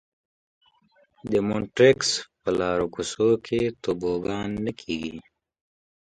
د مونټریکس په لارو کوڅو کې توبوګان نه کېږي.